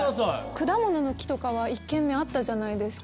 果物の木とかは１軒目あったじゃないですか。